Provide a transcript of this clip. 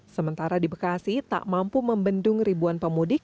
sementara di bekasi tak mampu membendung ribuan pemudik